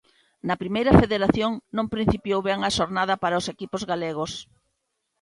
Na Primeira Federación non principiou ben a xornada para os equipos galegos.